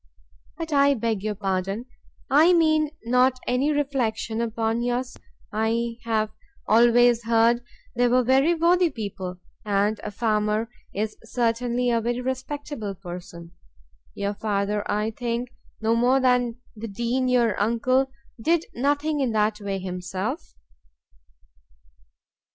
But I beg your pardon; I mean not any reflection upon yours: I have always heard they were very worthy people. And a farmer is certainly a very respectable person. Your father, I think, no more than the Dean your uncle, did nothing in that way himself?"